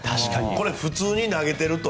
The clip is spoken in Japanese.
これ、普通に投げてると。